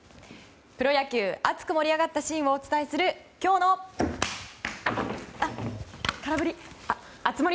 プロ野球、熱く盛り上がったシーンをお伝えする今日の空振り熱盛！